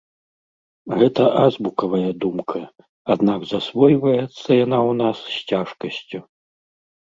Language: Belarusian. Гэта азбукавая думка, аднак засвойваецца яна ў нас з цяжкасцю.